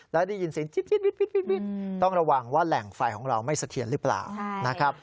แล้วได้ยินเสียงชิดต้องระวังว่าแหล่งไฟของเราไม่เสถียรหรือเปล่านะครับ